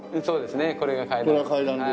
そうですねこれが階段。